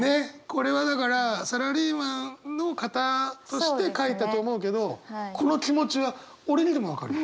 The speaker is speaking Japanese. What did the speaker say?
これはだからサラリーマンの方として書いたと思うけどこの気持ちは俺にでも分かる。